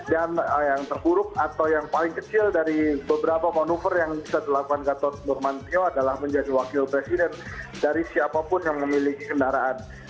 dan yang terburuk atau yang paling kecil dari beberapa manuver yang bisa dilakukan gatot nurmantio adalah menjadi wakil presiden dari siapapun yang memiliki kendaraan ahj atau tkp